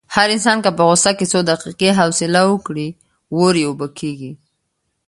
هر انسان که په غوسه کې څو دقیقې حوصله وکړي، اور یې اوبه کېږي.